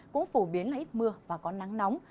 cũng phổ biến là ít mưa và có nắng nóng